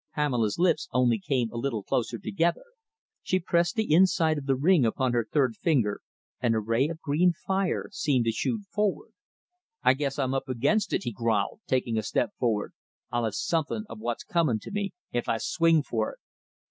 Pamela's lips only came a little closer together. She pressed the inside of the ring upon her third finger, and a ray of green fire seemed to shoot forward. "I guess I'm up against it," he growled, taking a step forward. "I'll have something of what's coming to me, if I swing for it."